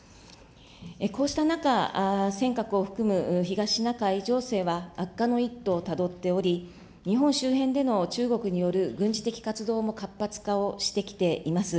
こうした中、尖閣を含む東シナ海情勢は悪化の一途をたどっており、日本周辺での中国による軍事的活動も活発化をしてきています。